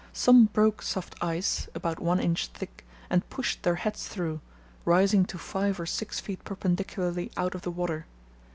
Some broke soft ice (about one inch thick) and pushed their heads through, rising to five or six feet perpendicularly out of the water.